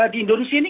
di indonesia ini